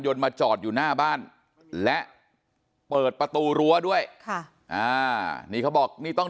มาจอดอยู่หน้าบ้านและเปิดประตูรั้วด้วยค่ะอ่านี่เขาบอกนี่ต้อง